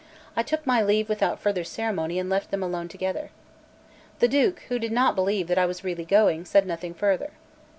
I took my leave without further ceremony, and left them alone together. The Duke, who did not believe that I was really going, said nothing further.